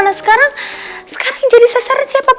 nah sekarang sekarang jadi sasaran siapapun